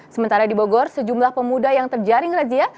sementara di bogor sejumlah pemuda yang terjaring razia